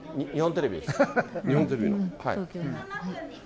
日本テレビの？